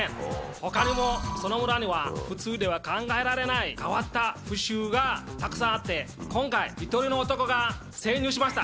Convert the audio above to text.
他にもその村には普通では考えられない変わった風習がたくさんあって今回１人の男が潜入しました